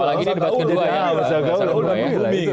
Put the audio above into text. apalagi di debat kedua ya